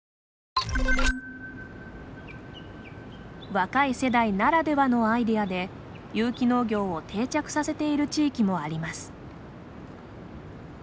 若い世代ならではのアイデアで有機農業を定着させている地域もあります。